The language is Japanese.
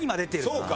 そうか。